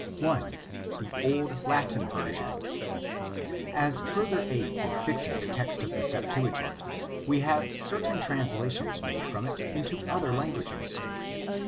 1. The Old Latin Version. — As further aids in fixing the text of the Septuagint, we have certain translations made from it into other languages.